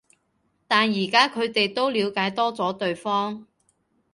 但而家佢哋都了解多咗對方